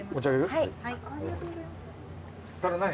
はい。